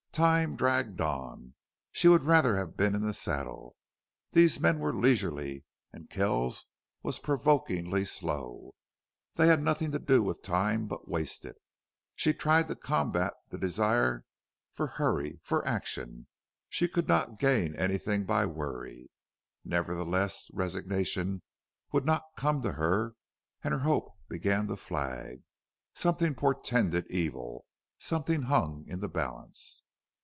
Time dragged on. She would rather have been in the saddle. These men were leisurely, and Kells was provokingly slow. They had nothing to do with time but waste it. She tried to combat the desire for hurry, for action; she could not gain anything by worry. Nevertheless, resignation would not come to her and her hope began to flag. Something portended evil something hung in the balance.